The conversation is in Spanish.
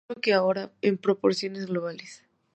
Sólo que ahora, en proporciones globales.